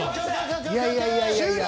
［いやいやいやいやいや］